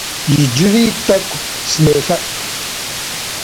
Иджыри тӏэкӏу, сынолъэӏу.